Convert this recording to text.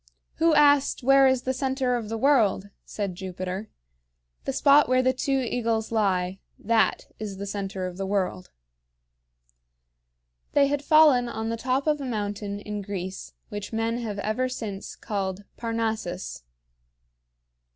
"Who asked where is the center of the world?" said Jupiter. "The spot where the two eagles lie that is the center of the world." They had fallen on the top of a mountain in Greece which men have ever since called Parnassus.